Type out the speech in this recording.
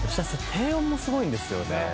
低音もすごいんですよね。